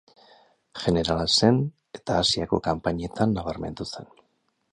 Jenerala zen eta Asiako kanpainetan nabarmendu zen.